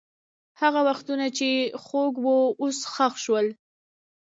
هغه وختونه چې خوږ وو، اوس ښخ شول.